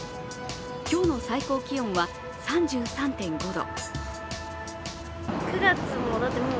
今日の最高気温は３３．５度。